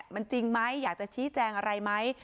มันจริงไหมอยากจะชี้แจงอะไรไหม